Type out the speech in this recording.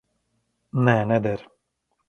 Nē, neder.